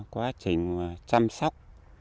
quá trình chăm sóc